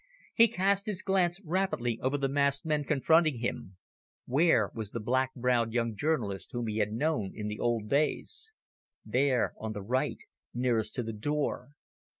He cast his glance rapidly over the masked men confronting him. Where was the black browed young journalist whom he had known in old days? Yes, there on the right, nearest to the door.